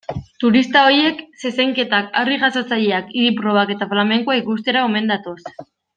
Turista horiek zezenketak, harri-jasotzaileak, idi-probak eta flamenkoa ikustera omen datoz.